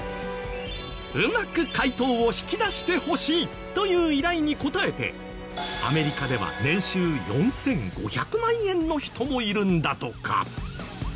うまく回答を引き出してほしいという依頼に応えてアメリカでは年収４５００万円の人もいるんだとか。